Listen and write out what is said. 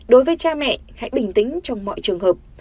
đối với cha mẹ hãy bình tĩnh trong mọi trường hợp